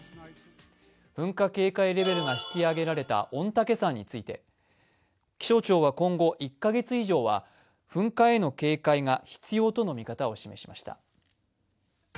噴火警戒レベルが引き上げられた御嶽山について気象庁は今後、１カ月以上は噴火への警戒が必要との見方を示しました。